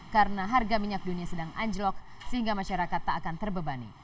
karena harga minyak dunia sedang anjlok sehingga masyarakat tak akan terbebani